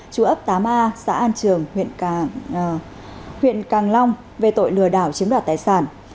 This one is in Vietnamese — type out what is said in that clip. chủ ấp tám a xã an trường huyện càng long về tội lừa đảo chiếm đoạt tài sản